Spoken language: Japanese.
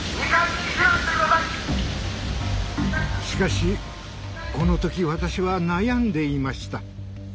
しかしこの時私は悩んでいました。